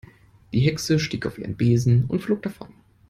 Die Hexe stieg auf ihren Besen und flog davon.